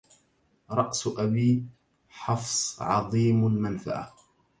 رأس أبي حفص عظيم المنفعه